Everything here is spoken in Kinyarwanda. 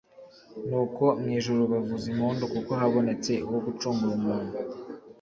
Nuko mwijuru bavuza impundu kuko habonetse uwo gucungura umuntu